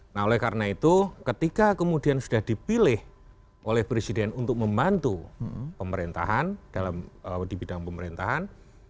nah oleh karena itu ketika kemudian sudah dipilih oleh presiden untuk membantu pemerintahan di bidang pemerintahan